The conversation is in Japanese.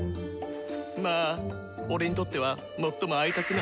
まあ俺にとっては最も会いたくな。